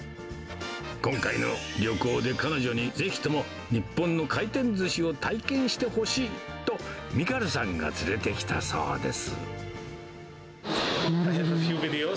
今回の旅行で、彼女にぜひとも日本の回転ずしを体験してほしいと、ミカルさんが連れてきたそうです。